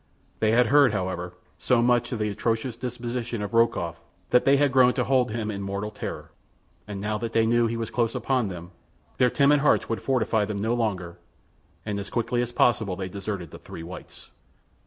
They had heard, however, so much of the atrocious disposition of Rokoff that they had grown to hold him in mortal terror, and now that they knew he was close upon them their timid hearts would fortify them no longer, and as quickly as possible they deserted the three whites.